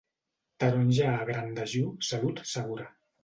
Taronja agra en dejú, salut segura.